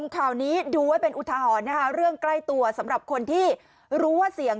ข่าวนี้ดูไว้เป็นอุทหรณ์นะคะเรื่องใกล้ตัวสำหรับคนที่รู้ว่าเสี่ยง